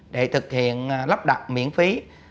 để thực hiện lắp đặt miễn phí